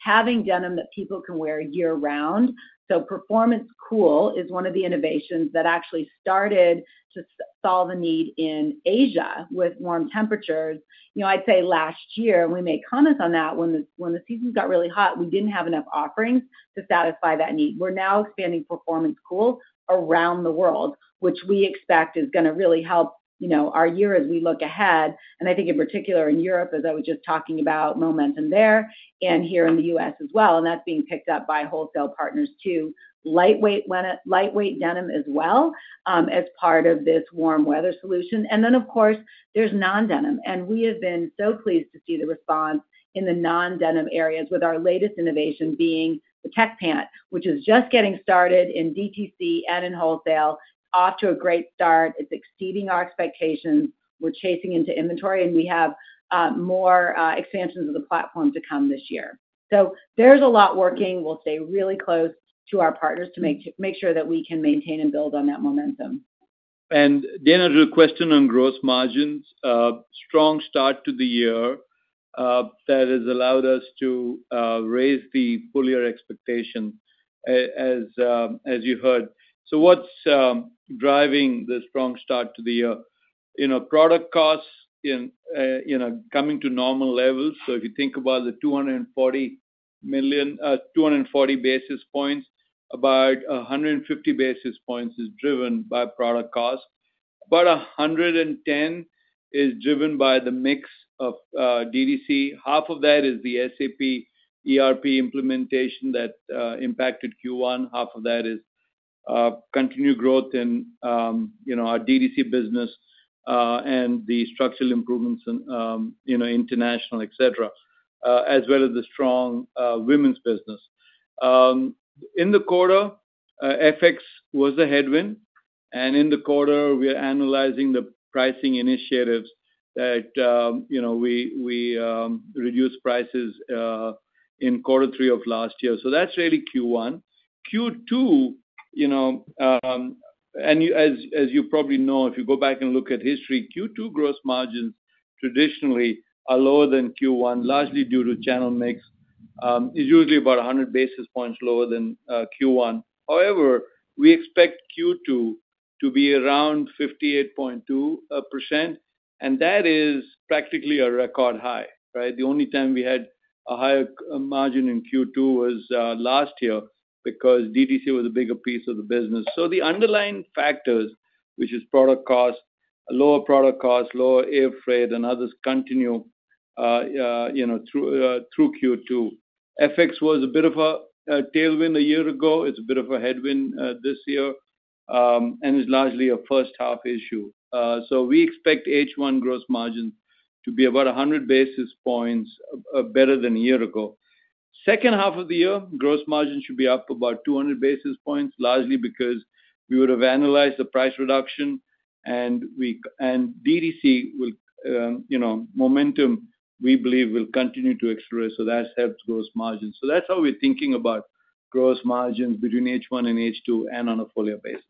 having denim that people can wear year-round. So Performance Cool is one of the innovations that actually started to solve a need in Asia with warm temperatures. You know, I'd say last year, we made comments on that. When the seasons got really hot, we didn't have enough offerings to satisfy that need. We're now expanding performance cool around the world, which we expect is gonna really help, you know, our year as we look ahead, and I think in particular in Europe, as I was just talking about, momentum there and here in the U.S. as well, and that's being picked up by wholesale partners, too. Lightweight denim as well, as part of this warm weather solution. And then, of course, there's non-denim, and we have been so pleased to see the response in the non-denim areas, with our latest innovation being the tech pant, which is just getting started in DTC and in wholesale. Off to a great start. It's exceeding our expectations. We're chasing into inventory, and we have more expansions of the platform to come this year. So there's a lot working. We'll stay really close to our partners to make sure that we can maintain and build on that momentum. And Dana, to your question on gross margins, strong start to the year, that has allowed us to raise the full year expectation, as you heard. So what's driving the strong start to the year? You know, product costs, you know, coming to normal levels. So if you think about the $240 million, 240 basis points, about 150 basis points is driven by product cost, about 110 is driven by the mix of DTC. Half of that is the SAP ERP implementation that impacted Q1. Half of that is continued growth in, you know, our DTC business, and the structural improvements in, you know, international, et cetera, as well as the strong women's business. In the quarter, FX was a headwind, and in the quarter, we are analyzing the pricing initiatives that, you know, we, we, reduced prices in quarter three of last year. So that's really Q1. Q2, you know, and as, as you probably know, if you go back and look at history, Q2 gross margins traditionally are lower than Q1, largely due to channel mix, is usually about 100 basis points lower than Q1. However, we expect Q2 to be around 58.2%, and that is practically a record high, right? The only time we had a higher gross margin in Q2 was last year because DTC was a bigger piece of the business. So the underlying factors, which is product cost, lower product cost, lower air freight, and others continue, you know, through Q2. FX was a bit of a tailwind a year ago. It's a bit of a headwind this year, and is largely a first half issue. So we expect H1 gross margin to be about 100 basis points better than a year ago. Second half of the year, gross margin should be up about 200 basis points, largely because we would have analyzed the price reduction and we and DTC will, you know, momentum, we believe, will continue to accelerate, so that helps gross margin. So that's how we're thinking about gross margins between H1 and H2 and on a full-year basis.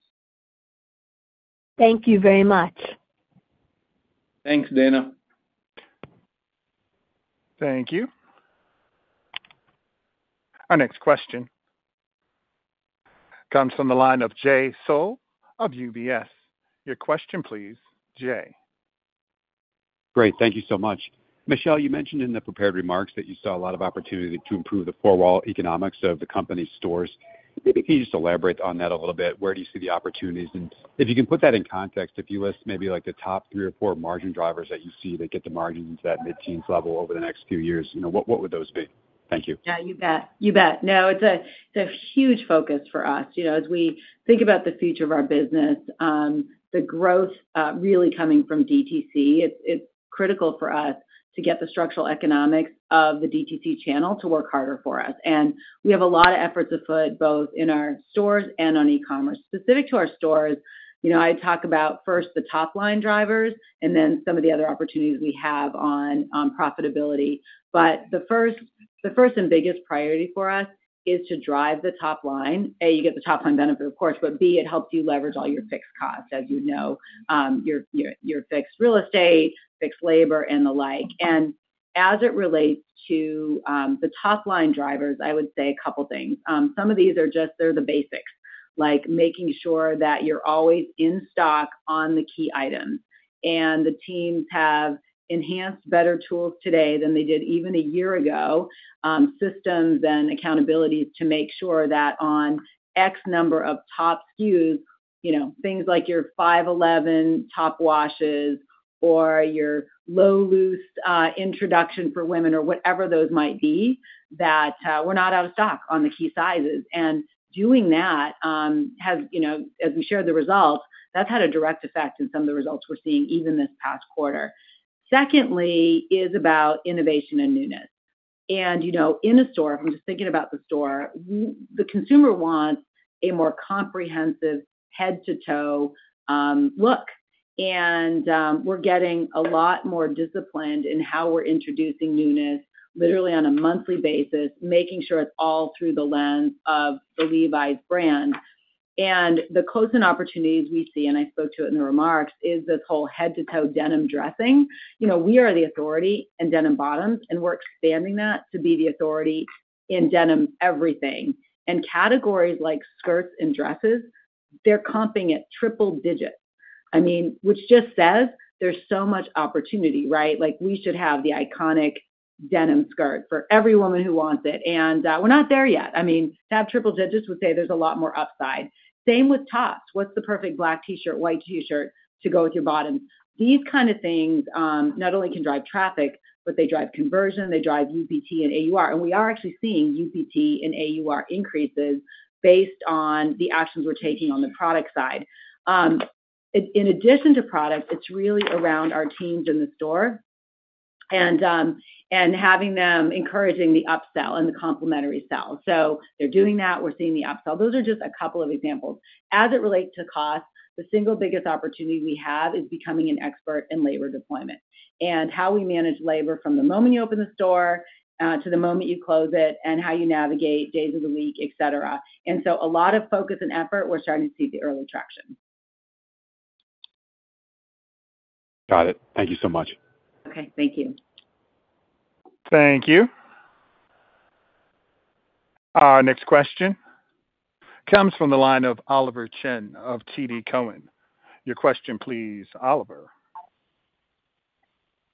Thank you very much. Thanks, Dana. Thank you. Our next question comes from the line of Jay Sole of UBS. Your question, please, Jay. Great. Thank you so much. Michelle, you mentioned in the prepared remarks that you saw a lot of opportunity to improve the four-wall economics of the company stores. Maybe can you just elaborate on that a little bit? Where do you see the opportunities? And if you can put that in context, if you list maybe like the top three or four margin drivers that you see that get the margins to that mid-teens level over the next few years, you know, what would those be? Thank you. Yeah, you bet. You bet. No, it's a huge focus for us. You know, as we think about the future of our business, the growth really coming from DTC, it's critical for us to get the structural economics of the DTC channel to work harder for us. And we have a lot of efforts afoot, both in our stores and on e-commerce. Specific to our stores, you know, I talk about first, the top-line drivers and then some of the other opportunities we have on profitability. But the first and biggest priority for us is to drive the top line. A, you get the top line benefit, of course, but B, it helps you leverage all your fixed costs, as you know, your fixed real estate, fixed labor, and the like. As it relates to the top-line drivers, I would say a couple things. Some of these are just, they're the basics, like making sure that you're always in stock on the key items. And the teams have enhanced better tools today than they did even a year ago, systems and accountability to make sure that on X number of top SKUs, you know, things like your 511 top washes or your low loose introduction for women or whatever those might be, that we're not out of stock on the key sizes. And doing that has, you know, as we shared the results, that's had a direct effect in some of the results we're seeing even this past quarter. Secondly, is about innovation and newness. You know, in a store, I'm just thinking about the store, the consumer wants a more comprehensive head-to-toe look. We're getting a lot more disciplined in how we're introducing newness, literally on a monthly basis, making sure it's all through the lens of the Levi's brand. The close-in opportunities we see, and I spoke to it in the remarks, is this whole head-to-toe denim dressing. You know, we are the authority in denim bottoms, and we're expanding that to be the authority in denim everything. Categories like skirts and dresses, they're comping at triple digits. I mean, which just says there's so much opportunity, right? Like, we should have the iconic denim skirt for every woman who wants it, and we're not there yet. I mean, to have triple digits would say there's a lot more upside. Same with tops. What's the perfect black T-shirt, white T-shirt to go with your bottoms? These kind of things not only can drive traffic, but they drive conversion, they drive UPT and AUR. And we are actually seeing UPT and AUR increases based on the actions we're taking on the product side. In addition to product, it's really around our teams in the store and having them encouraging the upsell and the complementary sell. So they're doing that, we're seeing the upsell. Those are just a couple of examples. As it relates to cost, the single biggest opportunity we have is becoming an expert in labor deployment and how we manage labor from the moment you open the store to the moment you close it, and how you navigate days of the week, et cetera. And so a lot of focus and effort, we're starting to see the early traction. Got it. Thank you so much. Okay, thank you. Thank you. Our next question comes from the line of Oliver Chen of TD Cowen. Your question, please, Oliver.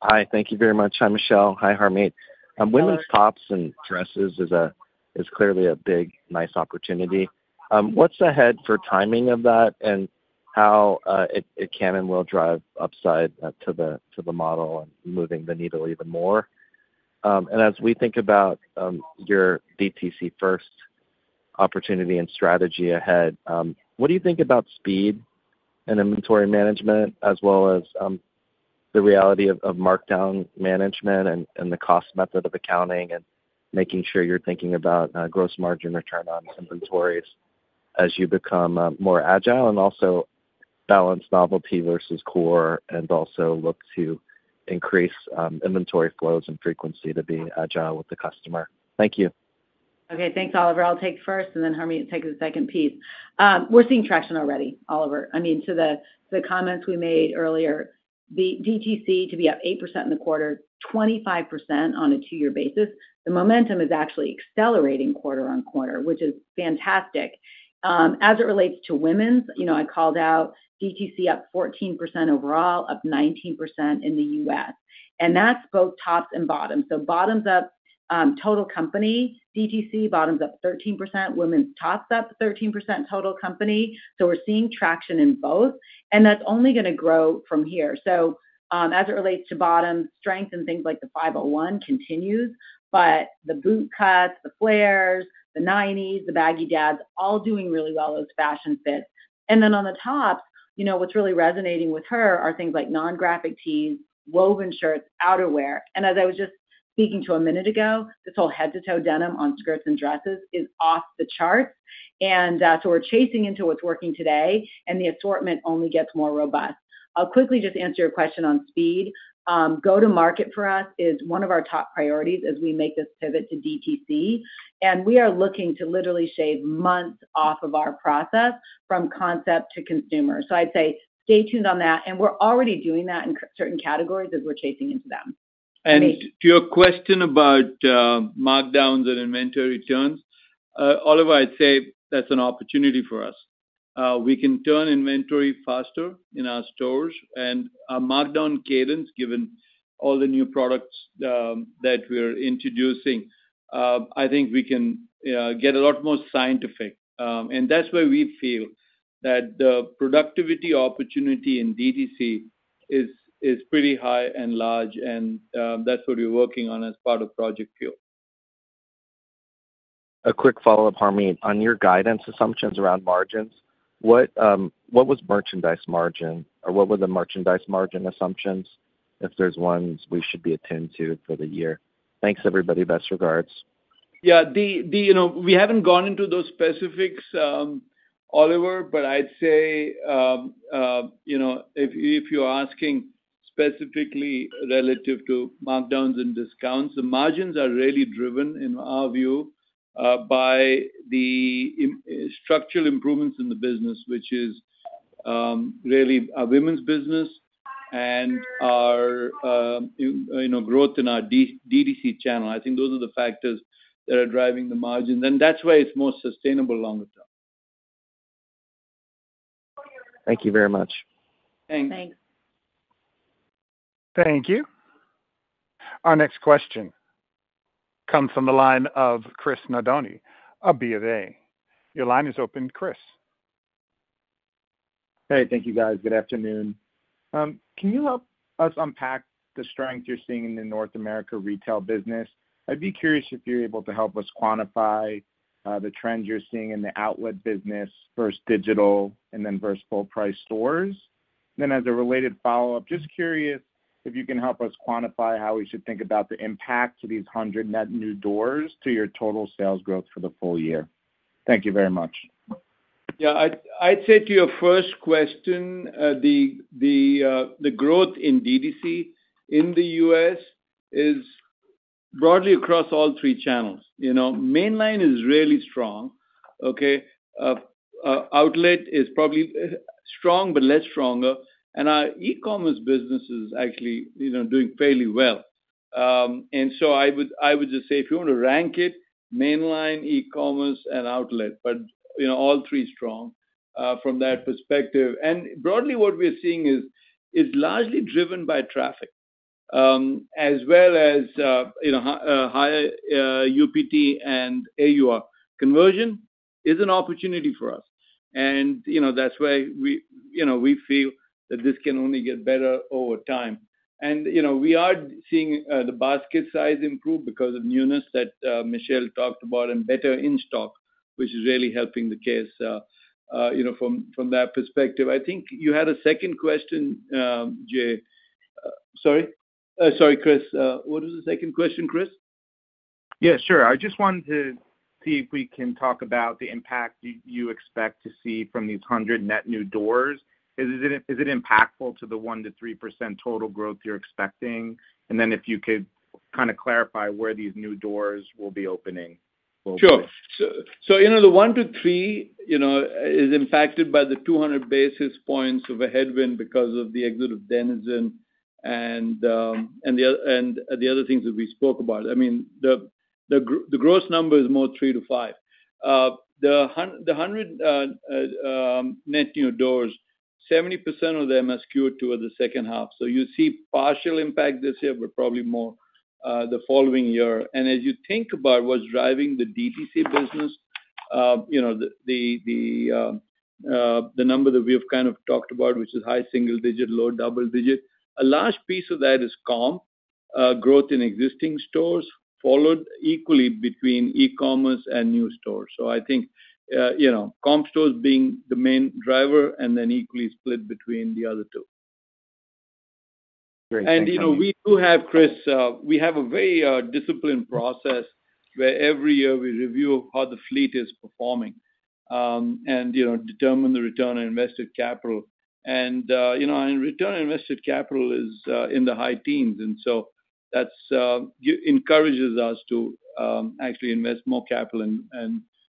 Hi, thank you very much. Hi, Michelle. Hi, Harmit. Women's tops and dresses is clearly a big, nice opportunity. What's ahead for timing of that and how it can and will drive upside to the model and moving the needle even more? And as we think about your DTC first opportunity and strategy ahead, what do you think about speed and inventory management, as well as the reality of markdown management and the cost method of accounting and making sure you're thinking about gross margin return on inventories as you become more agile, and also balance novelty versus core, and also look to increase inventory flows and frequency to be agile with the customer? Thank you. Okay, thanks, Oliver. I'll take first, and then Harmit will take the second piece. We're seeing traction already, Oliver. I mean, to the comments we made earlier, the DTC to be up 8% in the quarter, 25% on a two-year basis, the momentum is actually accelerating quarter-over-quarter, which is fantastic. As it relates to women's, you know, I called out DTC up 14% overall, up 19% in the US, and that's both tops and bottoms. So bottoms up total company DTC bottoms up 13%, women's tops up 13% total company. So we're seeing traction in both, and that's only gonna grow from here. So, as it relates to bottom strength and things like the 501 continues, but the boot cuts, the flares, the '90s, the Baggy Dads, all doing really well, those fashion fits. Then on the tops, you know, what's really resonating with her are things like non-graphic tees, woven shirts, outerwear. As I was just speaking to a minute ago, this whole head-to-toe denim on skirts and dresses is off the charts. So we're chasing into what's working today, and the assortment only gets more robust. I'll quickly just answer your question on speed. Go-to-market for us is one of our top priorities as we make this pivot to DTC, and we are looking to literally shave months off of our process from concept to consumer. So I'd say stay tuned on that, and we're already doing that in certain categories as we're chasing into them. To your question about markdowns and inventory turns, Oliver, I'd say that's an opportunity for us. We can turn inventory faster in our stores and our markdown cadence, given all the new products that we're introducing. I think we can get a lot more scientific. That's why we feel that the productivity opportunity in DTC is pretty high and large, and that's what we're working on as part of Project Fuel. A quick follow-up, Harmit. On your guidance assumptions around margins, what, what was merchandise margin, or what were the merchandise margin assumptions? If there's ones we should be attuned to for the year. Thanks, everybody. Best regards. Yeah, the you know, we haven't gone into those specifics, Oliver, but I'd say, you know, if you're asking specifically relative to markdowns and discounts, the margins are really driven, in our view, by the structural improvements in the business, which is really our women's business and our, you know, growth in our DTC channel. I think those are the factors that are driving the margin, and that's why it's more sustainable longer term. Thank you very much. Thanks. Thanks. Thank you. Our next question comes from the line of Christopher Nardone of BofA. Your line is open, Chris. Hey, thank you, guys. Good afternoon. Can you help us unpack the strength you're seeing in the North America retail business? I'd be curious if you're able to help us quantify the trends you're seeing in the outlet business versus digital and then versus full price stores. Then as a related follow-up, just curious if you can help us quantify how we should think about the impact to these 100 net new doors to your total sales growth for the full year. Thank you very much. Yeah, I'd say to your first question, the growth in DTC in the U.S. is broadly across all three channels. You know, mainline is really strong, okay? Outlet is probably strong but less stronger, and our e-commerce business is actually, you know, doing fairly well. And so I would just say, if you want to rank it, mainline, e-commerce, and outlet, but, you know, all three strong from that perspective. And broadly, what we're seeing is, it's largely driven by traffic as well as, you know, higher UPT and AUR. Conversion is an opportunity for us. And, you know, that's why we, you know, we feel that this can only get better over time. And, you know, we are seeing the basket size improve because of newness that Michelle talked about and better in-stock, which is really helping the case, you know, from that perspective. I think you had a second question, Jay. Sorry, Chris. What was the second question, Chris? Yeah, sure. I just wanted to see if we can talk about the impact you expect to see from these 100 net new doors. Is it impactful to the 1%-3% total growth you're expecting? And then if you could kinda clarify where these new doors will be opening. Sure. So, you know, the 1-3, you know, is impacted by the 200 basis points of a headwind because of the exit of Denizen and the other things that we spoke about. I mean, the gross number is more 3-5. The 100 net new doors, 70% of them are skewed toward the second half. So you see partial impact this year, but probably more the following year. And as you think about what's driving the DTC business, you know, the number that we have kind of talked about, which is high single digit, low double digit, a large piece of that is comp growth in existing stores, followed equally between e-commerce and new stores. I think, you know, comp stores being the main driver and then equally split between the other two. Great, thank you. You know, we do have, Chris, we have a very disciplined process, where every year we review how the fleet is performing, and you know, determine the return on invested capital. You know, return on invested capital is in the high teens, and so that's encourages us to actually invest more capital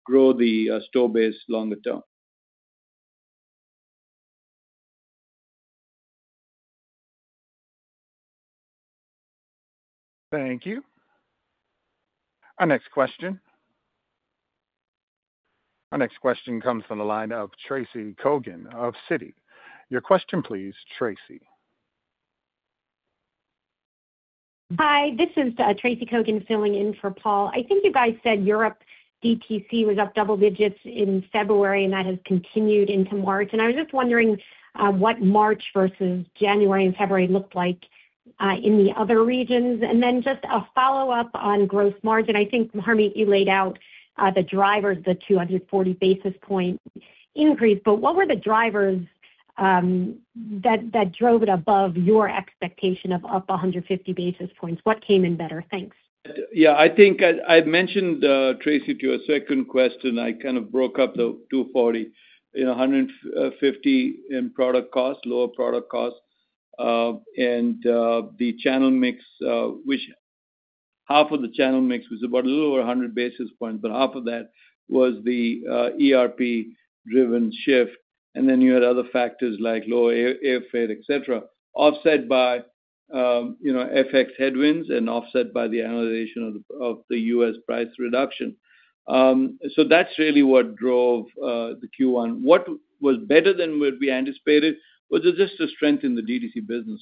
and grow the store base longer term. Thank you. Our next question comes from the line of Tracy Kogan of Citi. Your question please, Tracy. Hi, this is Tracy Kogan filling in for Paul. I think you guys said Europe DTC was up double digits in February, and that has continued into March. I was just wondering what March versus January and February looked like in the other regions? Then just a follow-up on gross margin. I think, Harmit, you laid out the drivers, the 240 basis point increase, but what were the drivers that drove it above your expectation of up 150 basis points? What came in better? Thanks. Yeah, I think I mentioned, Tracy, to your second question, I kind of broke up the 240. You know, 150 in product cost, lower product cost, and the channel mix, which half of the channel mix was about a little over 100 basis points, but half of that was the ERP-driven shift. And then you had other factors like lower airfare, et cetera, offset by, you know, FX headwinds and offset by the annualization of the US price reduction. So that's really what drove the Q1. What was better than what we anticipated was just the strength in the DTC business.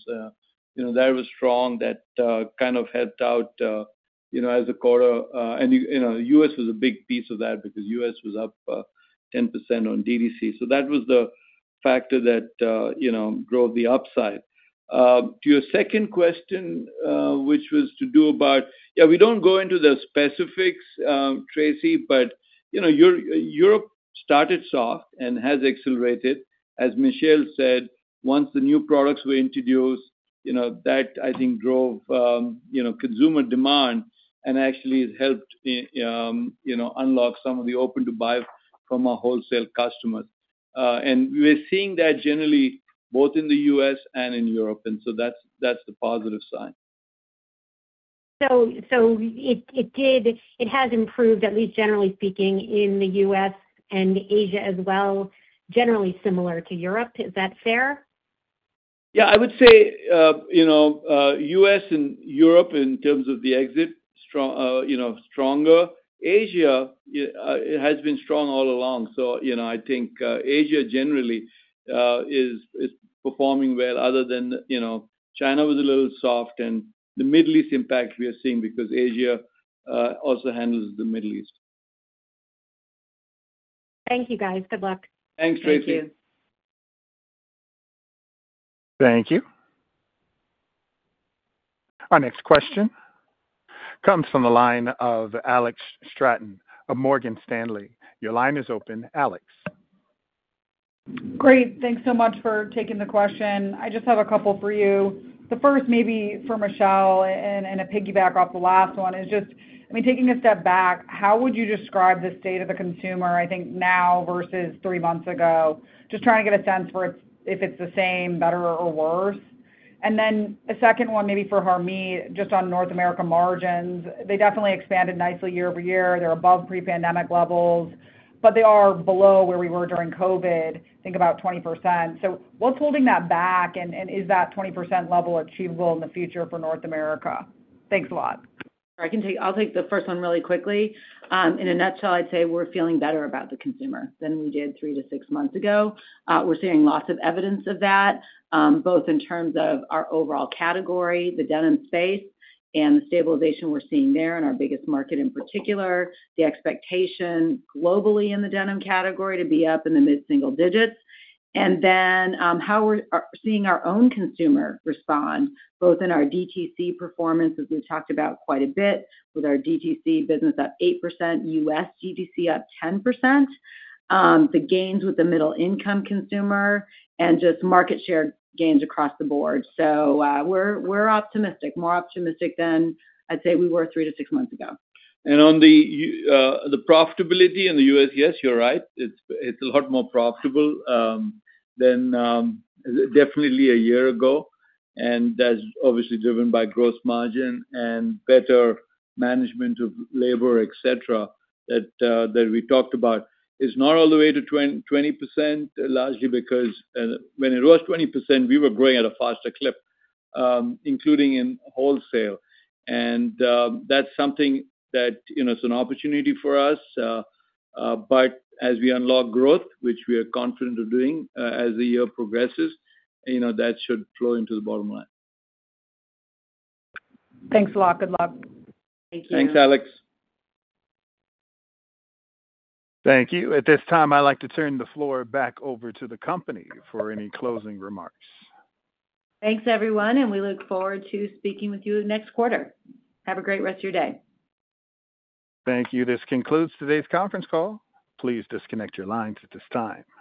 You know, that was strong. That kind of helped out, you know, as a quarter, and, you know, U.S. was a big piece of that because U.S. was up 10% on DTC. So that was the factor that, you know, drove the upside. To your second question, which was to do about... Yeah, we don't go into the specifics, Tracy, but, you know, Europe started soft and has accelerated. As Michelle said, once the new products were introduced, you know, that, I think, drove, you know, consumer demand and actually has helped, you know, unlock some of the open-to-buy from our wholesale customers. And we're seeing that generally both in the US and in Europe, and so that's, that's a positive sign. It has improved, at least generally speaking, in the U.S. and Asia as well, generally similar to Europe. Is that fair? Yeah, I would say, you know, U.S. and Europe, in terms of the exit, strong, you know, stronger. Asia has been strong all along, so, you know, I think Asia generally is performing well other than, you know, China was a little soft, and the Middle East impact we are seeing because Asia also handles the Middle East. Thank you, guys. Good luck. Thanks, Tracy. Thank you. Our next question comes from the line of Alex Straton of Morgan Stanley. Your line is open, Alex. Great. Thanks so much for taking the question. I just have a couple for you. The first maybe for Michelle and, and to piggyback off the last one is just, I mean, taking a step back, how would you describe the state of the consumer, I think now versus three months ago? Just trying to get a sense for it's, if it's the same, better or worse. And then a second one, maybe for Harmit, just on North America margins. They definitely expanded nicely year-over-year. They're above pre-pandemic levels, but they are below where we were during COVID, I think about 20%. So what's holding that back, and, and is that 20% level achievable in the future for North America? Thanks a lot. I can take... I'll take the first one really quickly. In a nutshell, I'd say we're feeling better about the consumer than we did 3-6 months ago. We're seeing lots of evidence of that, both in terms of our overall category, the denim space, and the stabilization we're seeing there in our biggest market, in particular, the expectation globally in the denim category to be up in the mid-single digits. And then, how we're seeing our own consumer respond, both in our DTC performance, as we've talked about quite a bit, with our DTC business up 8%, U.S. DTC up 10%, the gains with the middle-income consumer and just market share gains across the board. So, we're optimistic, more optimistic than I'd say we were 3-6 months ago. On the profitability in the U.S., yes, you're right. It's, it's a lot more profitable than definitely a year ago, and that's obviously driven by gross margin and better management of labor, et cetera, that we talked about. It's not all the way to 20%, largely because when it was 20%, we were growing at a faster clip, including in wholesale. That's something that, you know, it's an opportunity for us. But as we unlock growth, which we are confident of doing, as the year progresses, you know, that should flow into the bottom line. Thanks a lot. Good luck. Thank you. Thanks, Alex. Thank you. At this time, I'd like to turn the floor back over to the company for any closing remarks. Thanks, everyone, and we look forward to speaking with you next quarter. Have a great rest of your day. Thank you. This concludes today's conference call. Please disconnect your lines at this time.